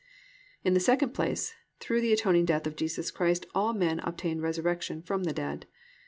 2. In the second place through the atoning death of Jesus Christ all men obtain resurrection from the dead.